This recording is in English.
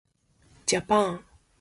Japan.